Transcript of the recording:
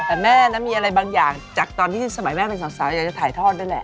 แต่แม่นะมีอะไรบางอย่างจากตอนที่สมัยแม่เป็นสาวอยากจะถ่ายทอดด้วยแหละ